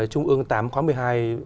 trung ương tám khóa một mươi hai